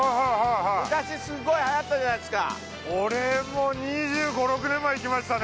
昔すっごい流行ったじゃないですか。